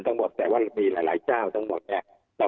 แต่ว่ามีหลายเจ้าทั้งหมดแทน